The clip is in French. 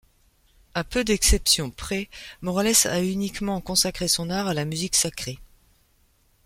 À peu d'exception près, Morales a uniquement consacré son art à la musique sacrée.